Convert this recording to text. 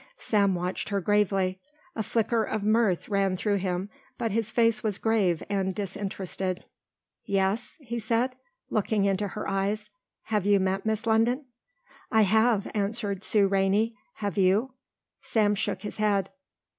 Sam watched her gravely. A flicker of mirth ran through him, but his face was grave and disinterested. "Yes?" he said, looking into her eyes. "Have you met Miss London?" "I have," answered Sue Rainey. "Have you?" Sam shook his head.